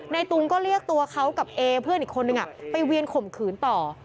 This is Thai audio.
ตุงก็เรียกตัวเขากับเอเพื่อนอีกคนนึงไปเวียนข่มขืนต่อ